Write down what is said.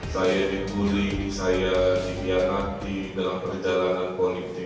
saya nanti dalam perjalanan politik saya tidak pernah dendam dan bencang